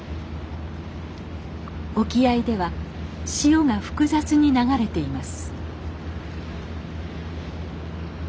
沖合では潮が複雑に流れています。